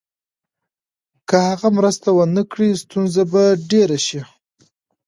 که هغه مرسته ونکړي، ستونزه به ډېره شي.